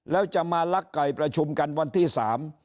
แล้วจะมาลักไก่ประชุมกันวันที่สาม